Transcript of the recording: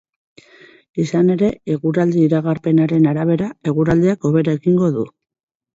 Izan ere, eguraldi-iragarpenaren arabera, eguraldiak hobera egingo du.